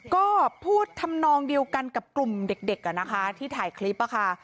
ก็พูดทำนองเดียวกันกับกลุ่มเด็กเด็กอ่ะนะคะที่ถ่ายคลิปอ่ะค่ะ